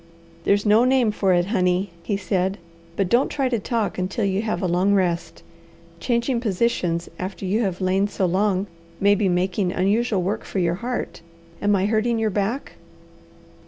"There's no name for it, honey," he said. "But don't try to talk until you have a long rest. Changing positions after you have lain so long may be making unusual work for your heart. Am I hurting your back?"